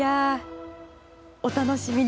お楽しみに！